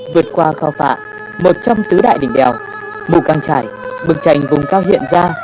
vượt qua kho phạm một trong tứ đại đỉnh đèo mùa càng trải bức tranh vùng cao hiện ra